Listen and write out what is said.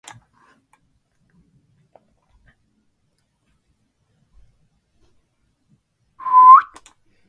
世界を機械的にあるいは合目的的に考えても、かかることがあることはできない。